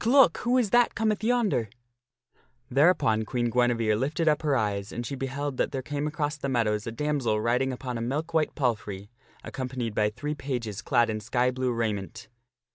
Look! Who is that cometh yonder?" / here cometh, * a damsel to the Thereupon Queen Guinevere lifted up her eyes, and she be May party. j^d that there came across the meadows a damsel riding upon a milk white palfrey, accompanied by three pages clad in sky blue raiment.